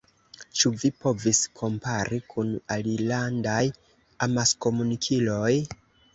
Ĉu vi povis kompari kun alilandaj amaskomunikiloj?